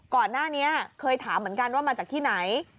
ก่อนหน้านี้เคยถามเหมือนกันว่ามาจากที่ไหน